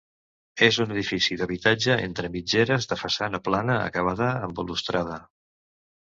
És un edifici d'habitatge entre mitgeres de façana plana acabada en balustrada.